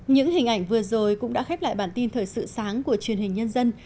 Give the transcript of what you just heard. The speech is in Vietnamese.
những hình ảnh vừa rồi cũng đã khép lại bản tin thời sự sáng của truyền hình nhân dân